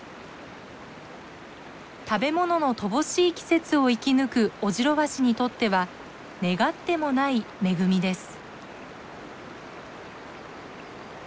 食べ物の乏しい季節を生き抜くオジロワシにとっては願ってもない恵みです。